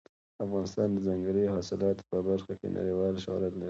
افغانستان د ځنګلي حاصلاتو په برخه کې نړیوال شهرت لري.